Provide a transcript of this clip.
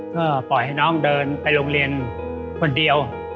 ก็ปล่อยให้น้องเดินไปโรงเรียนคนเดียว